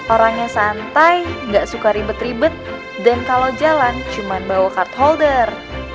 orangnya santai gak suka ribet ribet dan kalau jalan cuma bawa card holder